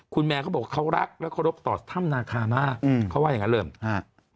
คุณแมนเขาบอกเขารักและเคารพต่อถ้ำนาคามากอืมเขาว่าอย่างงั้นเริ่มฮะ